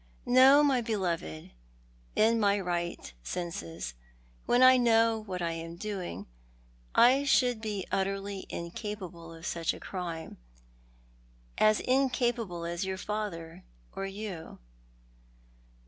No, my beloved, in my right senses — wlien I know what I am doing — I should be utterly incapable of such a crime — as incapable as your father, or you.